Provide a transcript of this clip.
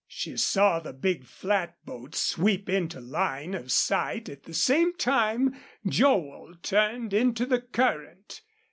She saw the big flatboat sweep into line of sight at the same time Joel turned into the current.